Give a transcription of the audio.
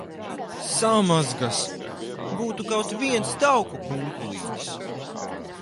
Samazgas! Būtu kaut viens tauku kunkulītis!